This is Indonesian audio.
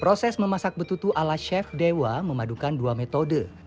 proses memasak betutu ala chef dewa memadukan dua metode